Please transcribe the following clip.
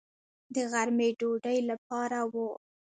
د غرمې ډوډۍ لپاره و.